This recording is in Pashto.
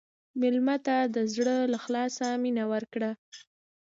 مېلمه ته د زړه له اخلاصه مینه ورکړه.